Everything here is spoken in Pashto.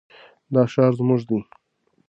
دا ښار زموږ دی.